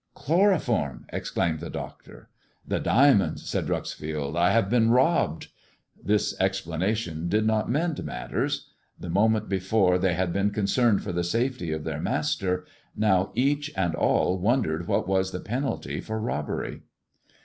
" Chloroform !" exclaimed the doctor. " The diamonds !" said Dreuxfield. " I have been robbed." This explanation did not mend matters, The moment before they had been concerned for the safety of their master, now each and all wondered what was the penalty 1 348 TRK IVORY LEG AND THE DIAMONDS for robbery.